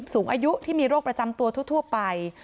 สูงอายุที่มีโรคประจำตัวทั่วไป